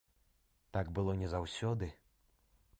Так было не заўсёды.